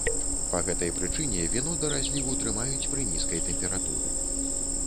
Па гэтай прычыне віно да разліву трымаюць пры нізкай тэмпературы.